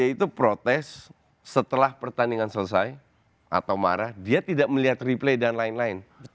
itu protes setelah pertandingan selesai atau marah dia tidak melihat replay dan lain lain